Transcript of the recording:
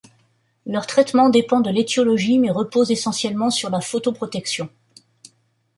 Leurs traitements dépend de l'étiologie mais repose essentiellement sur la photoprotection.